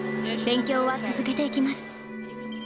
勉強は続けていきます。